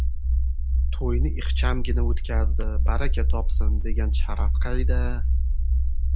«To‘yni ixchamgina o‘tkazdi, baraka topsin», degan sharaf qayda!